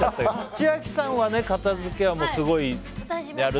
千秋さんは、片付けはすごいやるっていうね。